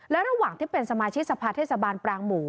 และระหว่างที่เป็นสมาชิกสภาเทศบาลปรางหมู